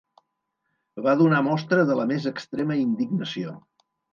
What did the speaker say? Va donar mostra de la més extrema indignació.